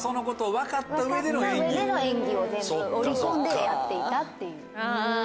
分かった上での演技を全部織り込んでやっていたっていう。